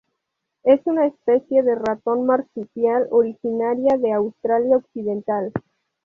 Es una especie de ratón marsupial originaria de Australia Occidental.